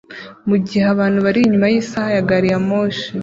mugihe abantu bari inyuma yisaha ya gari ya moshi